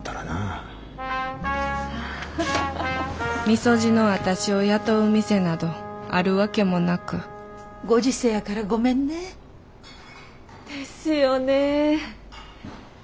三十路の私を雇う店などあるわけもなくご時世やからごめんね。ですよね。